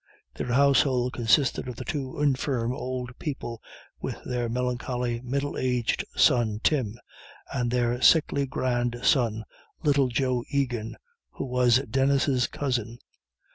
Their household consisted of the two infirm old people with their melancholy middle aged son Tim, and their sickly grandson, little Joe Egan, who was Denis's cousin.